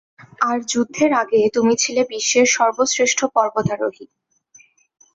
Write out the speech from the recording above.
আর যুদ্ধের আগে, তুমি ছিলে বিশ্বের সর্বশ্রেষ্ঠ পর্বতারোহী।